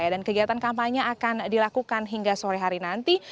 dan kegiatan kampanye akan dilakukan hingga sore hari nanti